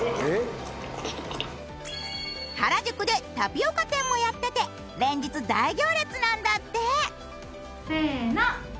原宿でタピオカ店もやってて連日大行列なんだって。